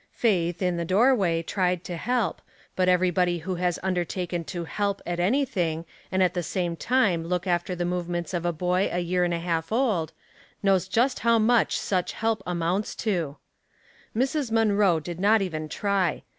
Faith, in the doorway, tried to help; but everybody who has ever undertaken to " help " at anything, and at the same time look after the movements of a boy a year and a half old, knows just how much such help amounts to. Mrs. Munroe did not even try.